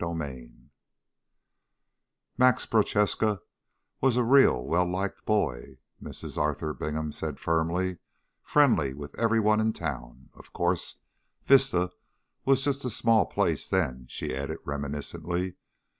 CHAPTER 12 "Max Prochaska was a real well liked boy," Mrs. Arthur Bingham said firmly, "friendly with everyone in town. Of course, Vista was just a small place then," she added reminiscently.